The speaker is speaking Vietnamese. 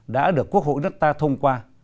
đã được quốc hội nước ta thông qua